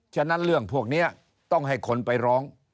ฉะนั้นเรื่องพวกนี้ต้องให้คนไปร้อง